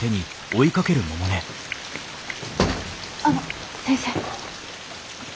あの先生。